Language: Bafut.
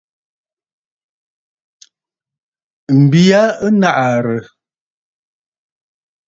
M̀bi ya ɨ nàʼàrə̀.